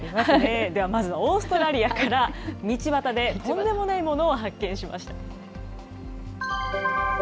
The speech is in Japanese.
ではまずはオーストラリアから、道端でとんでもないものを発見しました。